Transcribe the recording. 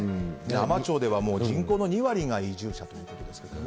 海士町では人口の２割が移住者ということですけど。